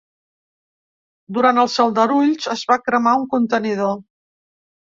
Durant els aldarulls es va cremar un contenidor.